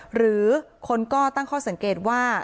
หรือคนก็ตั้งข้อสังเกตว่า